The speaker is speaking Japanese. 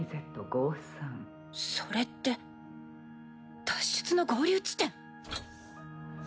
それって脱出の合流地点？